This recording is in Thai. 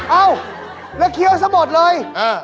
เอ้าและเคี้ยวสบดเลย